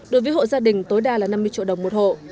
đối với hộ gia đình tối đa là năm mươi triệu đồng một hộ